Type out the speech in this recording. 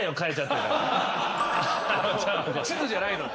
地図じゃないのよ。